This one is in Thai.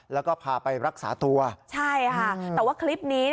แล้วก็พาไปรักษาตัวใช่ค่ะแต่ว่าคลิปนี้